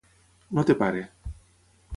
No té pare.